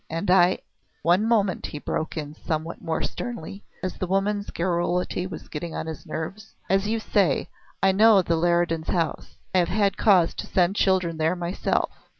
And I " "One moment," he broke in somewhat more sternly, as the woman's garrulity was getting on his nerves. "As you say, I know the Leridans' house. I have had cause to send children there myself.